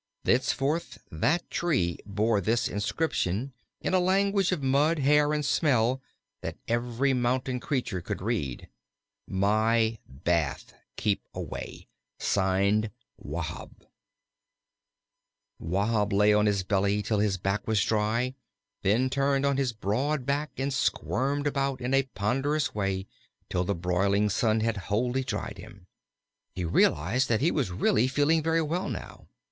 Thenceforth that tree bore this inscription, in a language of mud, hair, and smell, that every mountain creature could read: My bath. Keep away! (Signed) WAHB Wahb lay on his belly till his back was dry, then turned on his broad back and squirmed about in a ponderous way till the broiling sun had wholly dried him. He realized that he was really feeling very well now.